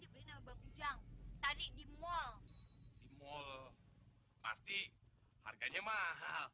tadi di mall pasti harganya mahal